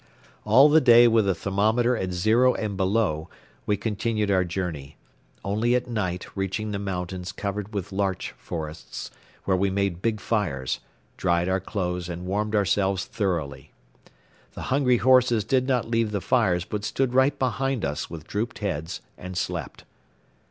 All the day with the thermometer at zero and below we continued our journey, only at night reaching the mountains covered with larch forests, where we made big fires, dried our clothes and warmed ourselves thoroughly. The hungry horses did not leave the fires but stood right behind us with drooped heads and slept.